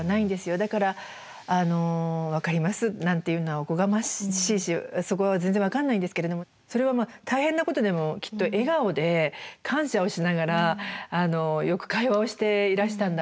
だからあの「分かります」なんていうのはおこがましいしそこは全然分かんないんですけれどもそれはまあ大変なことでもきっと笑顔で感謝をしながらよく会話をしていらしたんだろうなって。